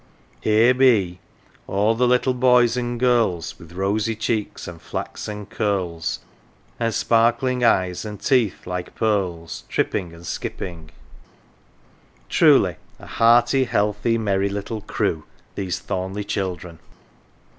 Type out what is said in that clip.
Here be 6 si THORNLEIGH " All the little boys and girls, With rosy cheeks and flaxen curls, And sparkling eyes and teeth like pearls, Tripping and skipping " Truly, a hearty, healthy, merry little crew, these T hornleigh children